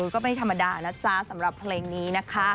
ก็ไม่ธรรมดาสำหรับเพลงนี้